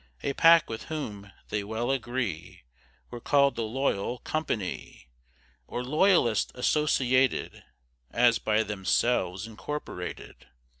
A pack with whom they well agree, Who're call'd the loyal company, Or "Loyalists Associated," As by themselves incorporated.